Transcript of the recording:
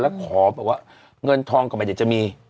แล้วขอแบบว่าเงินทองก็ไม่ได้จะมี